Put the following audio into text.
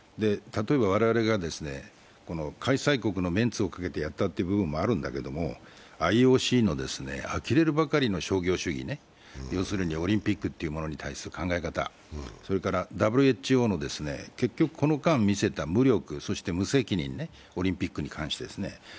例えば、我々が開催国のメンツをかけてやったという部分もあるんだけれども、ＩＯＣのあきれるばかりの商業主義要するにオリンピックというものに対する考え方、それからＷＨＯの、結局この間見せた無力、そして無責任、オリンピックに関してですね。